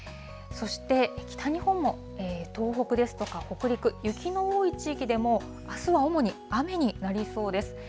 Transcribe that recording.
そして、北日本も東北ですとか、北陸、雪の多い地域でも、あすは主に雨になりそうです。